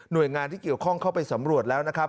โดยงานที่เกี่ยวข้องเข้าไปสำรวจแล้วนะครับ